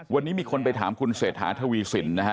วันนี้มีคนไปถามคุณเศรษฐาทวีสินนะฮะ